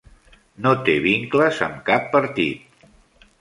No té vincles amb cap partit.